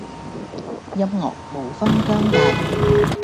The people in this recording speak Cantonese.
音樂無分彊界